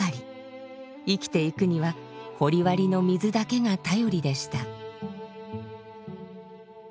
生きていくには掘割の水だけが頼りでした。